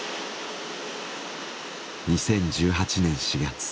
２０１８年４月。